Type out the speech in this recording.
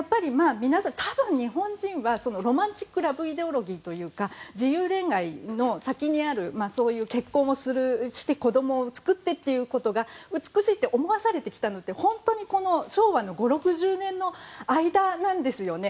ただ日本人はロマンチックラブイデオロギーというか自由恋愛の先にある結婚をして子供を作ってということが美しいって思わされてきたので本当に昭和の５０６０年の間なんですよね。